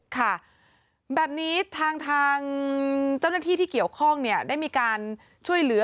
ค่ะแบบนี้ทางเจ้าหน้าที่ที่เกี่ยวข้องเนี่ยได้มีการช่วยเหลือ